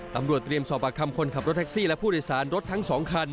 ตำรวจเตรียมสอบปากคำคนขับรถแท็กซี่และผู้โดยสารรถทั้ง๒คัน